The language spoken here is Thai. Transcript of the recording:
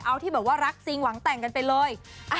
เอาที่แบบว่ารักจริงหวังแต่งกันไปเลย